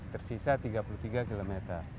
tersisa tiga puluh tiga km